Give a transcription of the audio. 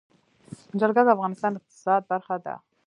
جلګه د افغانستان د اقتصاد برخه ده.